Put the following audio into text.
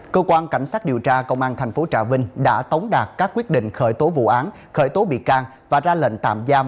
cơ quan cảnh sát điều tra công an tp trà vinh đã tống đạt các quyết định khởi tố vụ án khởi tố bị can và ra lệnh tạm giam